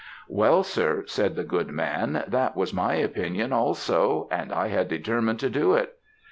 "'Well, sir,' said the good man, 'that was my opinion also; and I had determined to do it.